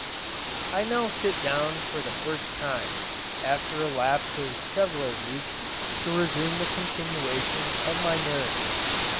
I now sit down for the first time, after a lapse of several weeks, to resume the continuation of my narrative.